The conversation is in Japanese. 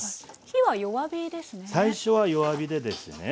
火は弱火ですね。